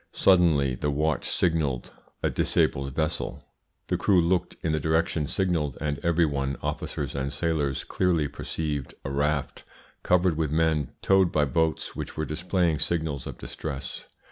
Suddenly the watch signalled a disabled vessel; the crew looked in the direction signalled, and every one, officers and sailors, clearly perceived a raft covered with men towed by boats which were displaying signals of distress.